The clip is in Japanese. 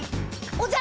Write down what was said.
おじゃ。